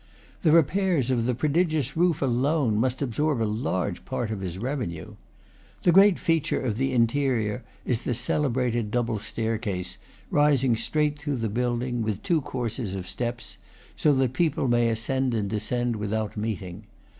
The repairs of the prodigious roof alone must absorb a large part of his revenue. The great feature of the interior is the celebrated double staircase, rising straight through the building, with two courses of steps, so that people may ascend and descend without meeting.